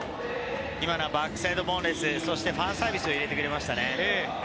今のバックサイドボンレス。ファンサービスを入れてくれました。